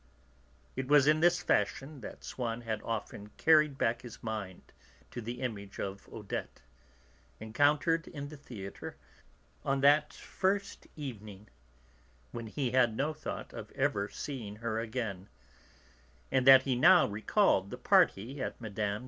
It was in this fashion that Swann had often carried back his mind to the image of Odette, encountered in the theatre, on that first evening when he had no thought of ever seeing her again and that he now recalled the party at Mme.